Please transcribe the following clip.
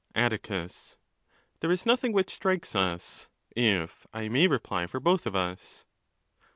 Atticus.—There is nothing which strikes us, if I may reply for both of us.